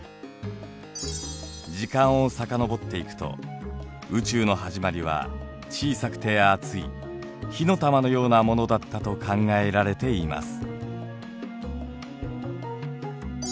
時間を遡っていくと宇宙のはじまりは小さくて熱い火の玉のようなものだったと考えられています。